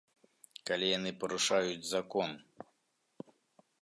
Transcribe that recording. Калі яны парушаюць закон.